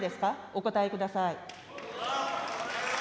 お答えください。